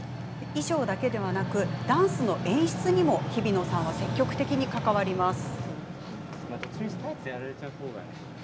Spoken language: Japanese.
衣装だけなくダンスの演出にもひびのさんは積極的に関わります。